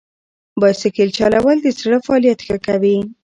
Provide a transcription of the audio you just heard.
بایسکل چلول د زړه فعالیت ښه کوي.